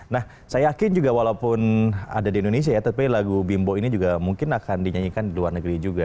nah saya yakin juga walaupun ada di indonesia ya tapi lagu bimbo ini juga mungkin akan dinyanyikan di luar negeri juga